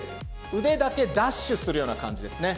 腕だけダッシュするような感じですね。